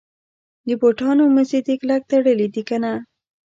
د بوټانو مزي دي کلک تړلي دي کنه.